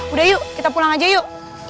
udah yuk kita pulang aja yuk